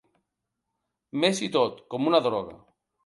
Més i tot, com una droga.